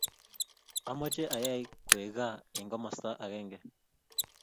Amache ayay koek gaa eng komosta age